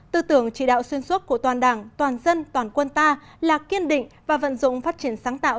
tư tưởng chỉ đạo xuyên suốt của toàn đảng toàn dân toàn quân ta là kiên định và vận dụng phát triển sáng tạo